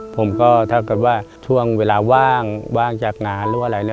ผมก็ถ้าเกิดว่าช่วงเวลาว่างว่างจากงานหรือว่าอะไรแล้ว